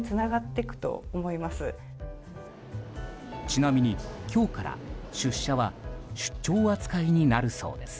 ちなみに今日から出社は出張扱いになるそうです。